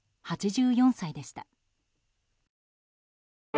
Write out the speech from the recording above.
８４歳でした。